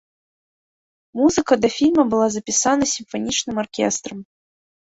Музыка да фільма была запісана сімфанічным аркестрам.